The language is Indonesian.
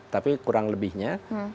tapi kurang lebihnya